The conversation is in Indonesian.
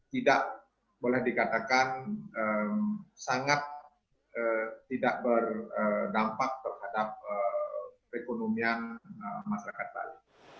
tidak boleh dikatakan sangat tidak berdampak terhadap perekonomian masyarakat bali